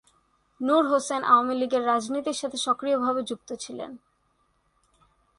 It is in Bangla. নূর হোসেন আওয়ামী লীগের রাজনীতির সাথে সক্রিয়ভাবে যুক্ত ছিলেন।